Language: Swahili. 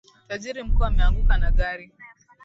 Tajiri mkuu ameanguka na gari